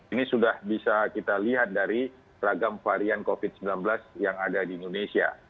ini sudah bisa kita lihat dari ragam varian covid sembilan belas yang ada di indonesia